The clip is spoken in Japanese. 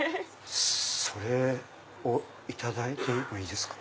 それをいただいてもいいですか？